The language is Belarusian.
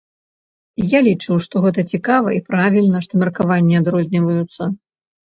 Я лічу, што гэта цікава і правільна, што меркаванні адрозніваюцца.